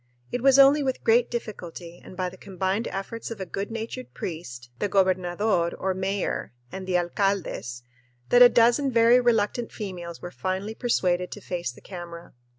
It was only with great difficulty and by the combined efforts of a good natured priest, the gobernador or mayor, and the alcaldes that a dozen very reluctant females were finally persuaded to face the camera.